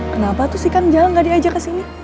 kenapa tuh si kang jalan nggak diajak kesini